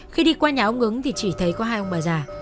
khi đi qua nhà ông ứng thì chỉ thấy có hai ông bà già